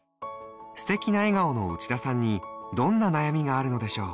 素敵な笑顔の内田さんにどんな悩みがあるのでしょう？